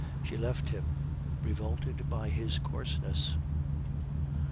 She left him, revolted by his coarseness.